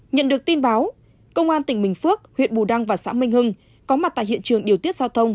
nhận được tin báo công an tỉnh bình phước huyện bù đăng và xã minh hưng có mặt tại hiện trường điều tiết giao thông